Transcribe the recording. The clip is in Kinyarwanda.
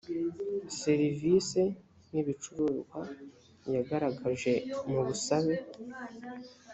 seirivisi n ibicuruzwa yagaragaje mu busabe